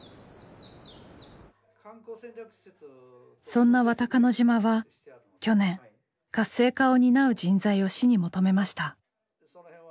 そんな渡鹿野島は去年活性化を担う人材を市に求めました。